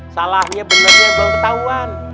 salahnya benernya belum ketahuan